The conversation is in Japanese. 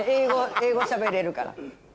英語しゃべれるから。